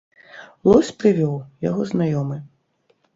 Лось прывёў, яго знаёмы.